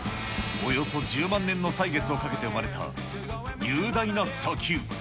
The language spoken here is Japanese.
およそ１０万年の歳月をかけて生まれた雄大な砂丘。